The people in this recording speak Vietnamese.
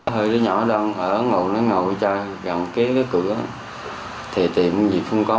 hồi đó nhỏ đang ở ngồi ngồi chơi gần kế với cửa thì tìm gì cũng không có